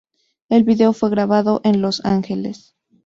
El video fue grabado en Los Ángeles.